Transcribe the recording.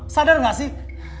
sadar gak sih